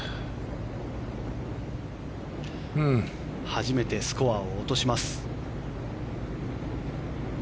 初めてスコアを落とします。